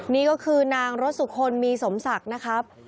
นี่ก็คือนางรสสุคนมีสมศักดิ์นะครับ